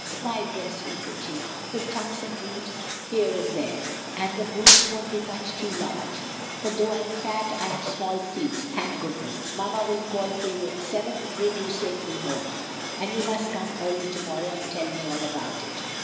My dress will fit you, with tucks and reefs here and there; and the boots won't be much too large, for though I'm fat I have small feet, thank goodness! Mamma will call for you at seven, and bring you safely home; and you must come early to morrow and tell me all about it.